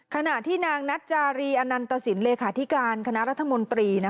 ขณะที่นางนัจจารีอนันตสินเลขาธิการคณะรัฐมนตรี